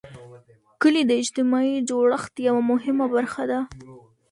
کلي د اجتماعي جوړښت یوه مهمه برخه ده.